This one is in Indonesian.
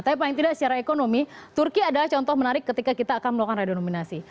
tapi paling tidak secara ekonomi turki adalah contoh menarik ketika kita akan melakukan redenominasi